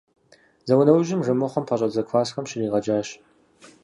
Зауэ нэужьым Жэмыхъуэм пэщӏэдзэ классхэм щригъэджащ.